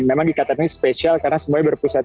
memang dikatakan ini spesial karena semuanya berpusat